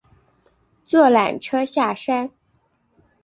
坐缆车下山